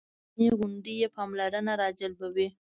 شنې غونډۍ یې پاملرنه راجلبوي.